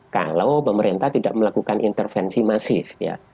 kalau pemerintah tidak melakukan intervensi masif ya